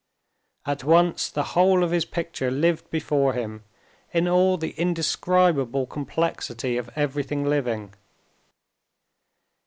At once the whole of his picture lived before him in all the indescribable complexity of everything living.